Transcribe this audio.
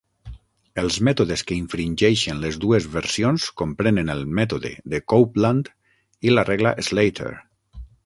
Els mètodes que infringeixen les dues versions comprenen el mètode de Copeland i la regla Slater.